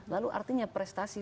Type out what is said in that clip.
lalu artinya prestasi